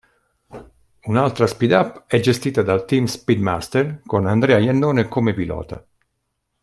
Un'altra Speed Up è gestita dal team Speed Master con Andrea Iannone come pilota.